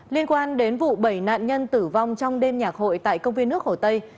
liên quan đến vụ bảy nạn nhân tử vong trong đêm nhạc hội tại công viên nước hồ tây